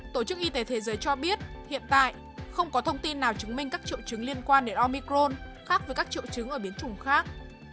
tổ chức y tế thế giới cho biết hiện tại không có thông tin nào chứng minh các triệu chứng liên quan đến omicron khác với các triệu chứng ở biến chủng khác